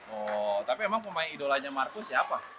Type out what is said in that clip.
oh tapi emang pemain idolanya marcus siapa